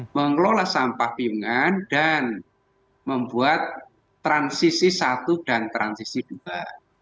mengelola sampah piungan dan membuat transisi satu dan transisi dua